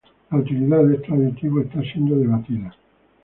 La utilidad de estos aditivos está siendo debatida.